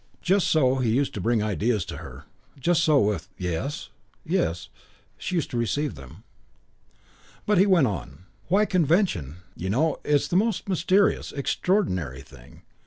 Just so he used to bring ideas to her; just so, with "Yes yes," she used to receive them. But he went on. "Why, convention, you know, it's the most mysterious, extraordinary thing.